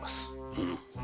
うん。